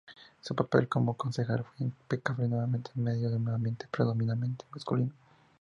Su papel como concejal fue impecable, nuevamente en medio de un ambiente predominantemente masculino.